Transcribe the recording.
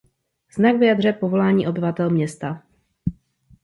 Znak vyjadřuje povolání obyvatel města.